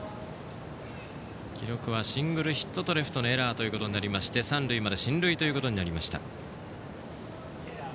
記録はシングルヒットとレフトのエラーとなりまして三塁まで進塁となりました。